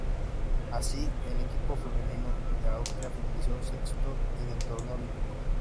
Así, el equipo femenino de Austria finalizó sexto en el torneo olímpico.